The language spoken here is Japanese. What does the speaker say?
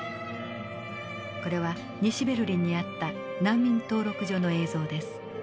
これは西ベルリンにあった難民登録所の映像です。